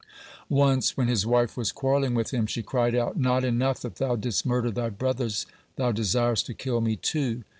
Once, when his wife was quarrelling with him, she cried out: "Not enough that thou didst murder thy brothers, thou desirest to kill me, too."